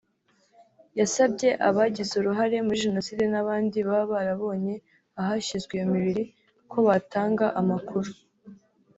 yasabye abagize uruhare muri Jenoside n`abandi baba barabonye ahashyizwe iyo mibiri ko batanga amakuru